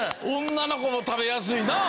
女の子も食べやすいなあ！